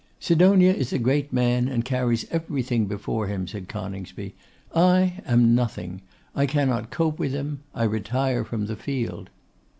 'Sidonia is a great man, and carries everything before him,' said Coningsby. 'I am nothing; I cannot cope with him; I retire from the field.